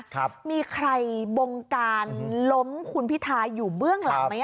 ครับมีใครบงการล้มคุณพิทาอยู่เบื้องหลังไหม